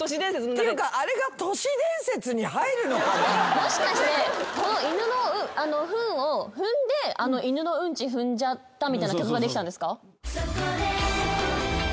もしかして犬のふんを踏んで「犬のうんち踏んじゃった」みたいな曲ができたんですか？